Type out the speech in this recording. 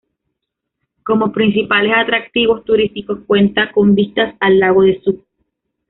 Como principales atractivos turísticos cuenta con vistas al lago de Zug.